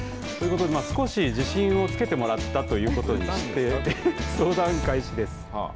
少し自信をつけてもらったということでして相談開始です。